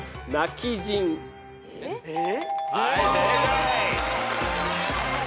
はい正解。